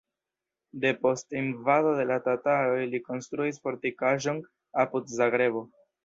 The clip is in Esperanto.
Depost invado de la tataroj li konstruis fortikaĵon apud Zagrebo.